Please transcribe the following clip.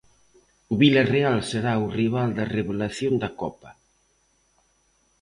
O Vilarreal será o rival da revelación da Copa.